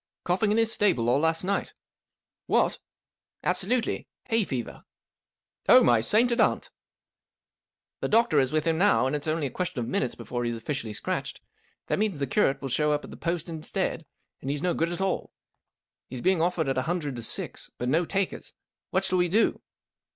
Coughing in his stable all last night." " What !'•" Absolutely 1 Hay fever." ,f Oh, my sainted aunt !"" The doctor is with him now, and it's only a question of minutes before he's officially scratched. That means the curate wilt show up at the post instead, and he's no good at all. He is being offered at a hun¬ dred t O six* but no takers. What shall we do